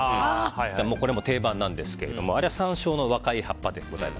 これも定番なんですがあれは山椒の若い葉っぱです。